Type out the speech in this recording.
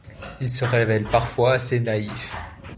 Il se révèle parfois assez naïf.